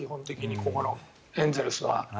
基本的にここのエンゼルスは。